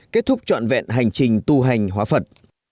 kết thúc trọn vẹn hành trình tu hành hóa phật